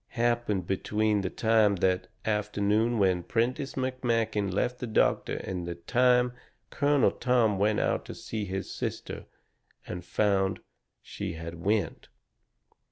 Must of happened between the time that afternoon when Prentiss McMakin left the doctor and the time Colonel Tom went out to see his sister and found she had went.